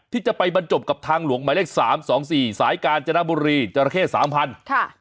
ที่จะไปบรรจบกับทางหลวงหมายเลข๓๒๔สายกาญจนบุรีจราเข้๓๐๐ค่ะ